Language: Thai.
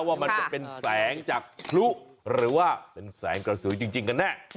ว่ามันจะเป็นแสงจากพลุหรือว่าเป็นแสงกระสือจริงกันแน่